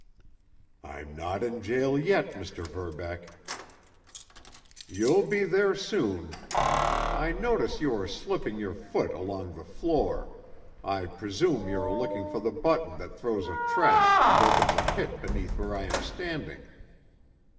"I'm not in jail yet, Mr. Verbeck." "You'll be there soon. I notice you are slipping your foot along the floor. I presume you are looking for the button that throws a trap and opens a pit beneath where I am standing.